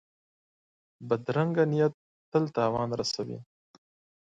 بدرنګه نیت تل تاوان رسوي